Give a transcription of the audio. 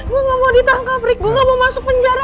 gue gak mau ditangkapik gue gak mau masuk penjara